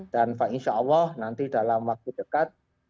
pak insya allah nanti dalam waktu dekat